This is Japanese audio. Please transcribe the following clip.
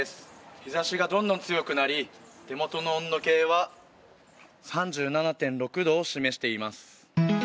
日差しがどんどん強くなり手元の温度計は３７．６度を示しています。